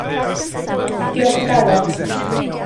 Diolch o galon.